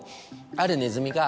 あるネズミが。